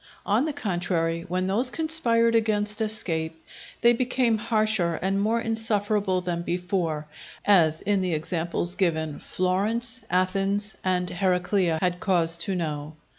On the contrary, when those conspired against escape, they become harsher and more unsufferable than before, as, in the examples given, Florence, Athens, and Heraclea had cause to know.